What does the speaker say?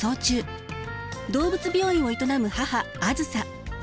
動物病院を営む母あづさ。